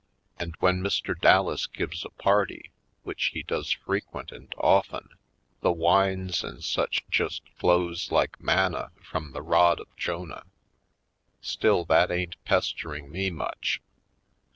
And when Mr. Dallas gives a party, which he does frequent and often, the wines and such just flows like manna from the rod of Jonah. Still, that ain't pestering me much.